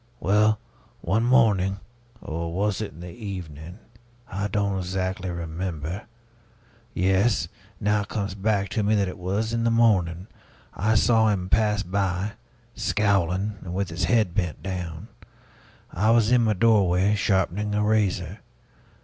Well, one morning or was it in the evening? I don't exactly remember yes, now it comes back to me that it was in the morning I saw him pass by, scowling and with his head bent down; I was in my doorway, sharpening a razor.